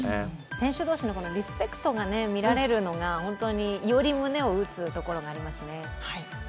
選手同士のリスペクトが見られるのが本当により胸を打つところがありますね。